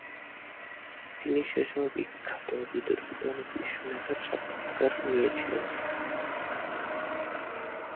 তিনি সে সময়ের বিখ্যাত ও বিতর্কিত অনেক বিশ্ব নেতার সাক্ষাৎকার নিয়েছিলেন।